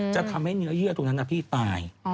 จะทำให้เนื้อเยื่อตรงนั้นนะพี่ตาย